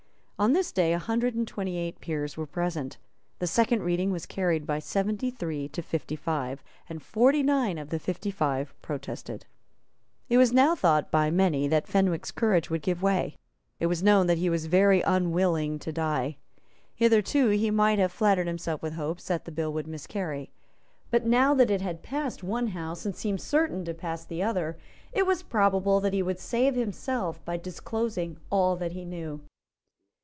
On this day a hundred and twenty eight peers were present. The second reading was carried by seventy three to fifty five; and forty nine of the fifty five protested. It was now thought by many that Fenwick's courage would give way. It was known that he was very unwilling to die. Hitherto he might have flattered himself with hopes that the bill would miscarry. But now that it had passed one House, and seemed certain to pass the other, it was probable that he would save himself by disclosing all that he knew.